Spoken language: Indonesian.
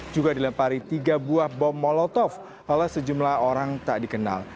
juga dilempari tiga buah bom molotov oleh sejumlah orang tak dikenal